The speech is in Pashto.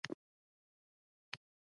حکومت له دوی سره تړونونه کوي.